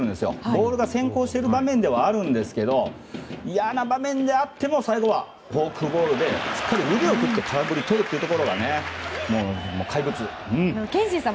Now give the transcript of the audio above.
ボールが先行している場面ではあるんですが嫌な場面でも最後はフォークボールで腕を振って空振りをとるところが怪物です。